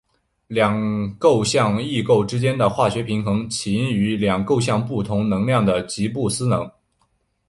两构象异构之间的化学平衡起因于两构象不同能量的吉布斯能。